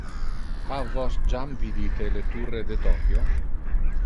Ha vos jam vidite le Turre de Tokio?